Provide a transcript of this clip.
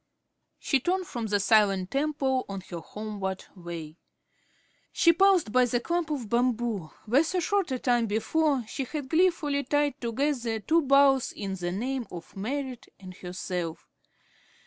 She turned from the silent temple on her homeward way. She paused by the clump of bamboo where so short a time before she had gleefully tied together two boughs in the name of Merrit and herself.